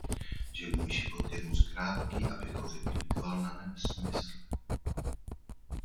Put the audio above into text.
Že můj život je moc krátký, abych ho vyplýtval na nesmysly.